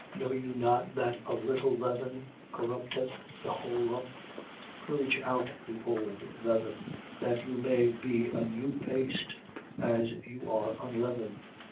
Know you not that a little leaven corrupteth the whole lump? 5:7. Purge out the old leaven, that you may be a new paste, as you are unleavened.